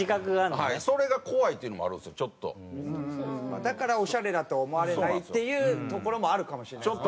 だからオシャレだと思われないっていうところもあるかもしれないですね。